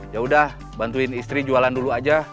yaudah bantuin istri jualan dulu aja